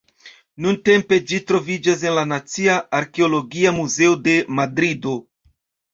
Nuntempe ĝi troviĝas en la Nacia Arkeologia Muzeo de Madrido.